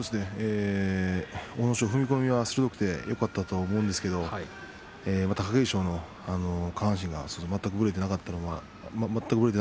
阿武咲の踏み込みが鋭くてよかったと思うんですが貴景勝の下半身が全くぶれていなかったんです。